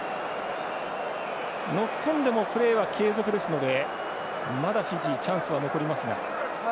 ノックオンでもプレーは継続ですのでまだフィジーチャンスは残りますが。